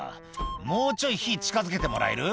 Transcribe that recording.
「もうちょい火近づけてもらえる？」